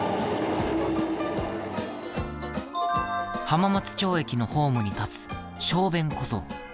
浜松町駅のホームに立つ小便小僧。